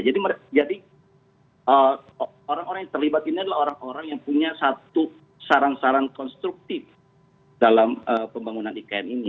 jadi orang orang yang terlibat ini adalah orang orang yang punya satu saran saran konstruktif dalam pembangunan ikn ini